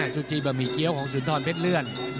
ซูจีบะหมี่เกี้ยวของสุนทรเพชรเลื่อน